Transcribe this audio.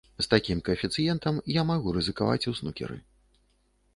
З такім каэфіцыентам я магу рызыкаваць у снукеры.